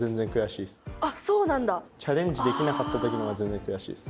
チャレンジできなかった時のほうが全然悔しいっす。